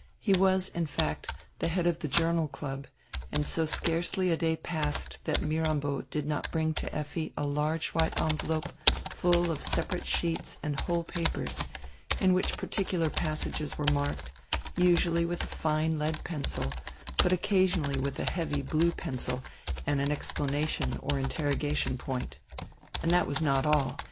He was, in fact, tire head of the Journal Club, and so scarcely a day passed that Mirambo did not bring to Effi a large white envelope full of separate sheets and whole papers, in which particular passages were marked, usually with a fine lead pencil, but occasionally with a heavy blue pencil and an exclamation or interroga tion point. And that was not all.